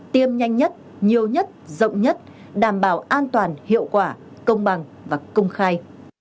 tiêm nhanh nhất nhiều nhất rộng nhất đảm bảo an toàn hiệu quả công bằng và công khai